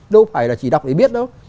đâu phải là chỉ đọc để biết đâu